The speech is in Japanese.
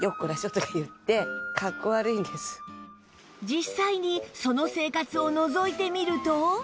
実際にその生活をのぞいてみると